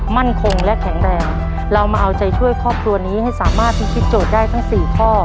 มั่นคงและแข็งแรงเรามาเอาใจช่วยครอบครัวนี้ให้สามารถพิธีโจทย์ได้ทั้งสี่ข้อ